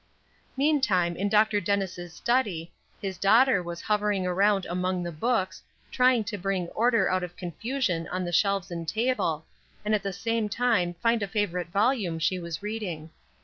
Meantime, in Dr. Dennis' study, his daughter was hovering around among the books, trying to bring order out of confusion on the shelves and table, and at the same time find a favorite volume she was reading.